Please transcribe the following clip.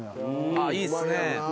ああいいっすね。